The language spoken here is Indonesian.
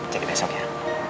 jadi besok ya